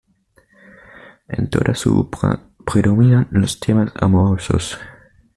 En toda su obra predominan los temas amorosos.